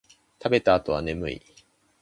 食べた後は眠い